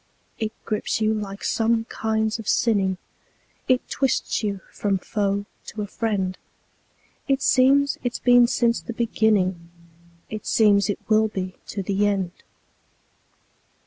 It grips you like some kinds of sinning; It twists you from foe to a friend; It seems it's been since the beginning; It seems it will be to the end.